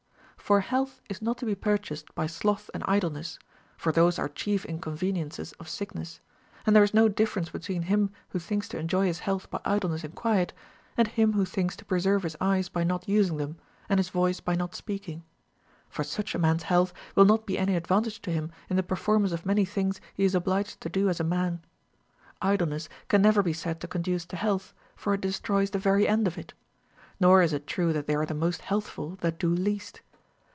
24. For health is not to be purchased by sloth and idle ness, for those are chief inconveniences of sickness ; and there is no difference between him who thinks to enjoy his health by idleness and quiet, and him who thinks to pre serve his eyes by not using them, and his voice by not speaking. For such a man's health will not be any ad vantage to him in the performance of many things he is obliged to do as a man. Idleness can never be said to con duce to health, for it destroys the very end of it. Ί^ογ is it true that they are the most healthful that do least.